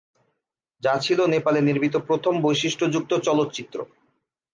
যা ছিল নেপালে নির্মিত প্রথম বৈশিষ্ট্যযুক্ত চলচ্চিত্র।